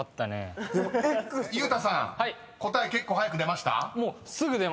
［ゆうたさん答え結構早く出ました？］